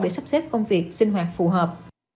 để sắp xếp công việc sinh hoạt phù hợp